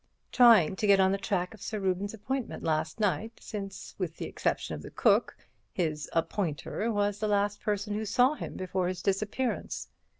"Trying to get on the track of Sir Reuben's appointment last night, since, with the exception of the cook, his 'appointer' was the last person who saw him before his disappearance.